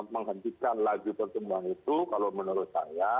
menghentikan lagu pertemuan itu kalau menurut saya